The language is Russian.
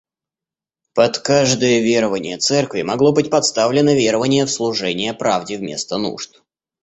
Под каждое верование церкви могло быть подставлено верование в служение правде вместо нужд.